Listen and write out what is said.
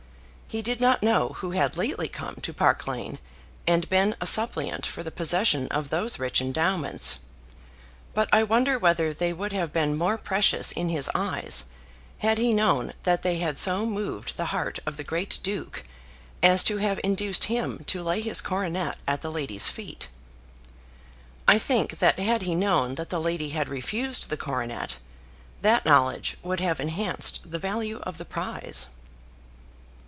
He did not know who had lately come to Park Lane and been a suppliant for the possession of those rich endowments; but I wonder whether they would have been more precious in his eyes had he known that they had so moved the heart of the great Duke as to have induced him to lay his coronet at the lady's feet. I think that had he known that the lady had refused the coronet, that knowledge would have enhanced the value of the prize.